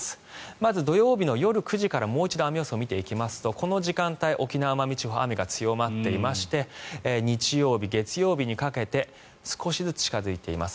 まず土曜日の夜９時からもう一度雨予想を見ていきますとこの時間帯、沖縄・奄美地方雨が強まっていまして日曜日、月曜日にかけて少しずつ近付いています。